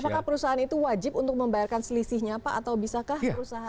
apakah perusahaan itu wajib untuk membayarkan selisihnya pak atau bisakah perusahaan